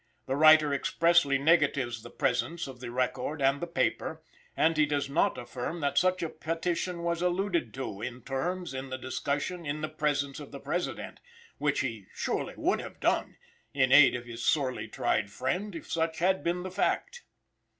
The writer expressly negatives the presence of the record and the paper, and he does not affirm that such a petition was alluded to, in terms, in the discussion in the presence of the President; which he surely would have done, in aid of his sorely tried friend, if such had been the fact.